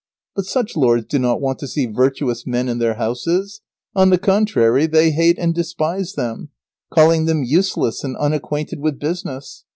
But such lords do not want to see virtuous men in their houses. On the contrary, they hate and despise them, calling them useless and unacquainted with business.